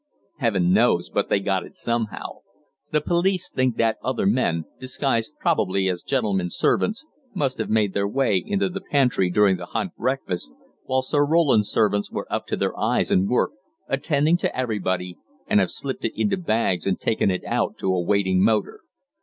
"Heaven knows but they got it somehow. The police think that other men, disguised probably as gentlemen's servants, must have made their way into the pantry during the hunt breakfast, while Sir Roland's servants were up to their eyes in work, attending to everybody, and have slipped it into bags and taken it out to a waiting motor.